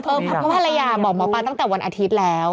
เพราะภรรยาบอกหมอปลาตั้งแต่วันอาทิตย์แล้ว